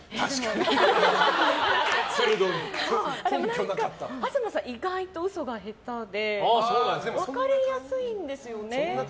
でも、東さん意外と嘘が下手で分かりやすいんですよね。